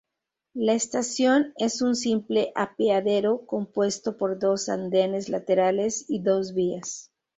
La estación es un simple apeadero compuesto por dos andenes laterales y dos vías.